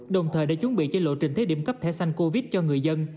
đồng thời đã chuẩn bị trên lộ trình thế điểm cấp thể sanh covid cho người dân